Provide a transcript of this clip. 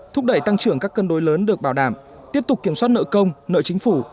thúc đẩy tăng trưởng các cân đối lớn được bảo đảm tiếp tục kiểm soát nợ công nợ chính phủ